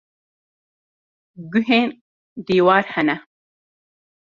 Guhên dîwar hene.